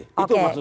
itu maksud saya